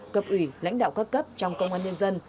cập ủy lãnh đạo các cấp trong công an nhân dân